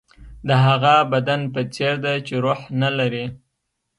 د هغه بدن په څېر ده چې روح نه لري.